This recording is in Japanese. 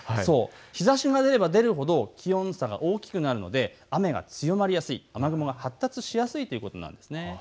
日ざしが出れば出るほど気温差が大きくなってくるので雨が強まりやすい、雨雲が発達しやすいということなんです。